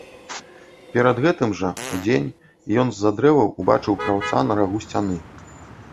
Перад гэтым жа, удзень, ён з-за дрэваў убачыў краўца на рагу сцяны.